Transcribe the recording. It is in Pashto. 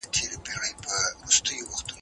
ایا له حده زیات خوب کول انسان لټ کوي؟